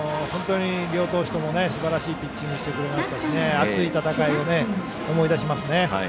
両投手ともすばらしいピッチングをしてくれましたが、熱い戦いを思い出しますね。